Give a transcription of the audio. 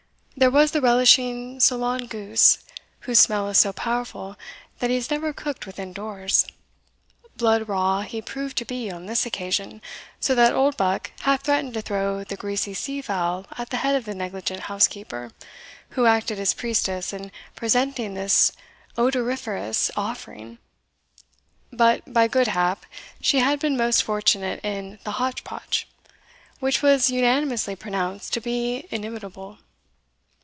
There was the relishing Solan goose, whose smell is so powerful that he is never cooked within doors. Blood raw he proved to be on this occasion, so that Oldbuck half threatened to throw the greasy sea fowl at the head of the negligent housekeeper, who acted as priestess in presenting this odoriferous offering. But, by good hap, she had been most fortunate in the hotch potch, which was unanimously pronounced to be inimitable.